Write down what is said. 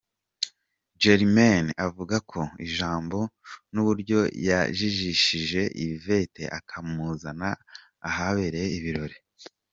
Germain avuga ijambo n'uburyo yajijishije Yvette akamuzana ahabereye ibirori.